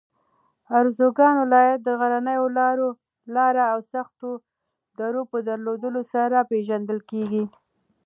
اروزګان ولایت د غرنیو لاره او سختو درو په درلودلو سره پېژندل کېږي.